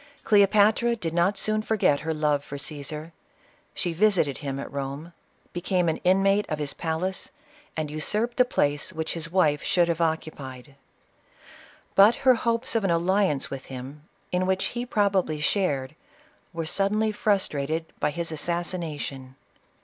Cleopatra did not soon forget her love for Ctesar. She visited him at Rome, became an inmate of his palace, and usurped the place which his wife should have occu pied. But her hopes of an alliance with him, in which he probably shared, were suddenly frustrated by his assassination.